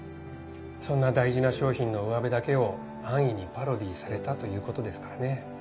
そんな大事な商品のうわべだけを安易にパロディーされたということですからね。